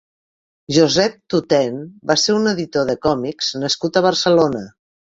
Josep Toutain va ser un editor de còmics nascut a Barcelona.